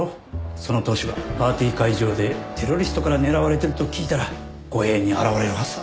その党首がパーティー会場でテロリストから狙われてると聞いたら護衛に現れるはずだ。